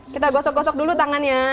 kita gosok gosok dulu tangannya